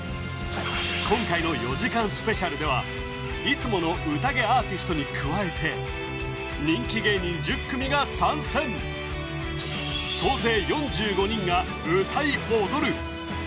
今回の４時間スペシャルではいつものＵＴＡＧＥアーティストに加えて人気芸人１０組が参戦総勢４５人が歌い踊るＵＴＡＧＥ！